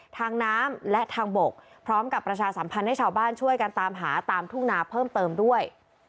ทางน้ำและทางบกพร้อมกับประชาสัมพันธ์ให้ชาวบ้านช่วยกันตามหาตามทุ่งนาเพิ่มเติมด้วย